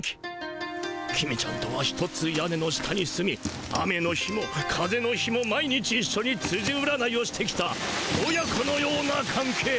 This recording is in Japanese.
公ちゃんとは一つ屋根の下に住み雨の日も風の日も毎日いっしょにつじ占いをしてきた親子のようなかん係。